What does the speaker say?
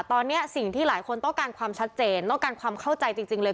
ตอนนี้สิ่งที่หลายคนต้องการความชัดเจนต้องการความเข้าใจจริงเลย